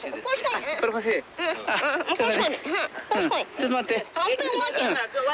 ちょっと待って。